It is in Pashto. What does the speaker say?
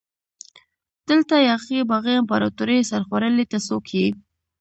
دلته یاغي باغي امپراتوري سرخوړلي ته څوک يي؟